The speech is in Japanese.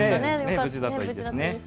無事だといいですね。